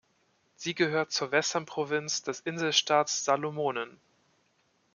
Sie gehört zur Western-Provinz des Inselstaats Salomonen.